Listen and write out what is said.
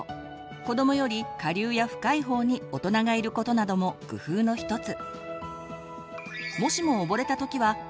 子どもより下流や深いほうに大人がいることなども工夫の一つ。